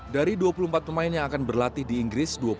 dari dua puluh empat pemain yang akan berlatih di inggris